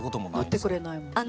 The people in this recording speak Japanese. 乗ってくれないもんね。